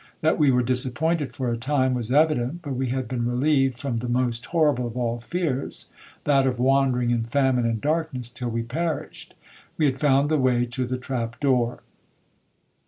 That we were disappointed for a time was evident, but we had been relieved from the most horrible of all fears, that of wandering in famine and darkness till we perished,—we had found the way to the trap door.